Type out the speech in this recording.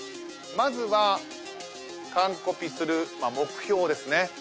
まずはカンコピする目標ですね。